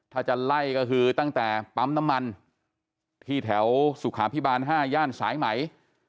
ถ้าจะไล่ก็คือตั้งแต่ปั๊มน้ำมันที่แถวสุขาพิบาล๕ย่านสายไหม